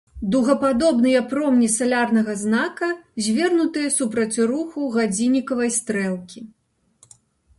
Дугападобныя промні салярнага знака звернутыя супраць рухі гадзіннікавай стрэлкі.